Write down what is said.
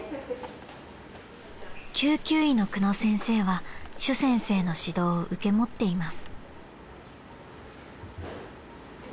［救急医の久野先生は朱先生の指導を受け持っています］